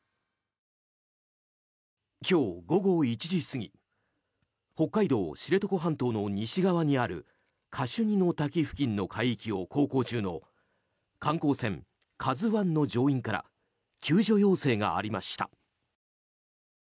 今日午後１時過ぎ北海道知床半島の西側にあるカシュニの滝付近の海域を航行中の観光船「ＫＡＺＵ１」の乗員から救助要請がありました。